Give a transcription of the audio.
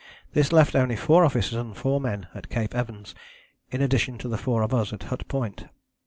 This left only four officers and four men at Cape Evans, in addition to the four of us at Hut Point.